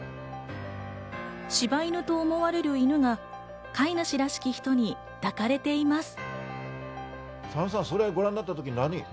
柴犬と思われる犬が飼い主らしき人に抱かれています。